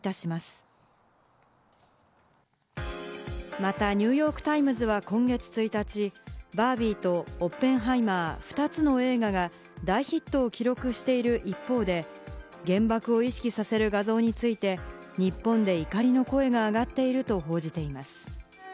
またニューヨーク・タイムズは今月１日、『バービー』と『オッペンハイマー』、２つの映画が大ヒットを記録している一方で、原爆を意識させる画像について、日本で怒りの声が上がっていると報じています。